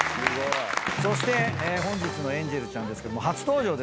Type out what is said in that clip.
そして本日のエンジェルちゃんですけども初登場ですね。